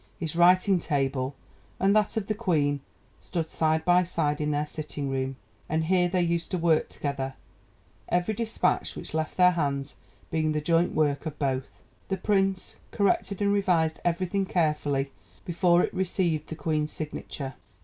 His writing table and that of the Queen stood side by side in their sitting room, and here they used to work together, every dispatch which left their hands being the joint work of both. The Prince corrected and revised everything carefully before it received the Queen's signature.